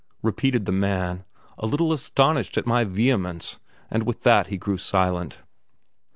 repeated the man, a little astonished at my vehemence; and with that he grew silent.